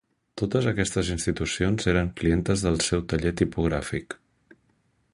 Totes aquestes institucions eren clientes del seu taller tipogràfic.